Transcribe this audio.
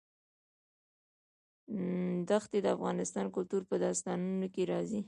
ښتې د افغان کلتور په داستانونو کې راځي.